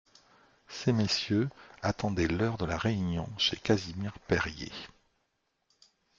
Ces messieurs attendaient l'heure de la réunion chez Casimir Perier.